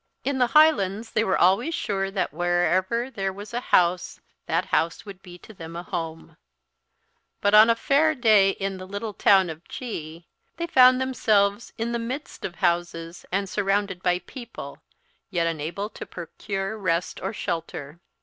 In the highlands they were always sure that wherever there was a house that house would be to them a home; but on a fairday in the little town of G they found themselves in the midst of houses, and surrounded by people, yet unable to procure rest or shelter.